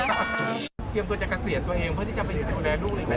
เตรียมตัวจากเกษียณตัวเองเพื่อที่จะไปอยู่แล้วดูเลย